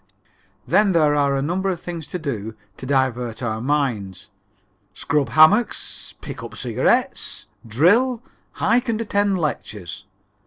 Then there are any number of things to do to divert our minds scrub hammocks, pick up cigarettes, drill, hike and attend lectures.